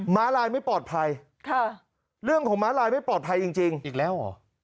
้าลายไม่ปลอดภัยค่ะเรื่องของม้าลายไม่ปลอดภัยจริงอีกแล้วเหรอ